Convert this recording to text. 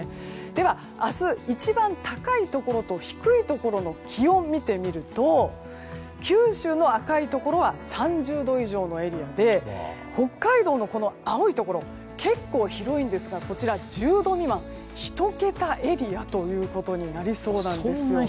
では、明日一番高いところと低いところの気温を見てみると九州の赤いところは３０度以上のエリアで北海道の青いところ結構、広いんですがこちら、１０度未満１桁エリアとなりそうなんです。